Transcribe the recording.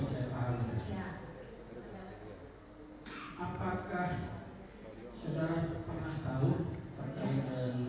tidak pernah menanyakan sama sekali